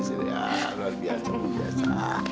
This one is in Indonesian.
luar biasa luar biasa